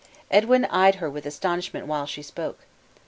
Edwin eyed her with astonishment while she spoke.